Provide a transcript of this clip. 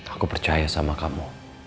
aku percaya sama kamu